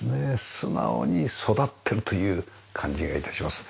素直に育ってるという感じが致します。